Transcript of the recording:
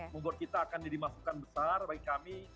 membuat kita akan dimasukkan besar bagi kami